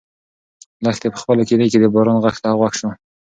لښتې په خپله کيږدۍ کې د باران غږ ته غوږ شو.